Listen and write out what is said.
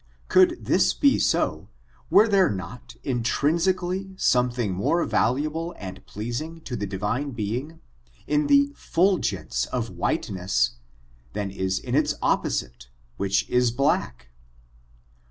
Could this be so, were there not intrinsically something more valuable and pleasing to the Divine Being, in the fulgence of whiteness^ than lis in its qp» posite, which is black.